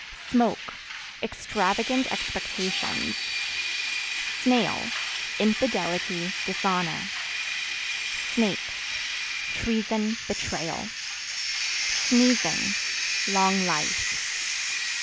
Smoke Extravagant expectations. Snail Infidelity, dishonor. Snakes Treason, betrayal. Sneezing Long life.